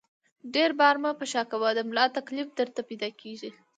ډېر بار مه په شا کوه ، د ملا تکلیف درته پیدا کېږي!